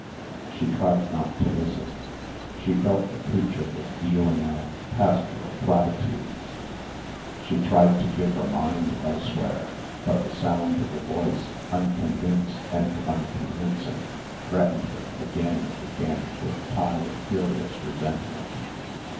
She tried not to listen. She felt the preacher was dealing out "pastoral platitudes." She tried to give her mind elsewhere; but the sound of the voice, unconvinced and unconvincing threatened her again and again with a tide of furious resentment.